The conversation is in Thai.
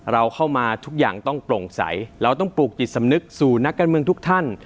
เราเข้ามาทุกอย่างต้องโปร่งใสเราต้องปลูกจิตสำนึกสู่นักการเมืองทุกท่าน